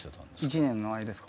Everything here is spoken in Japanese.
１年の間ですか？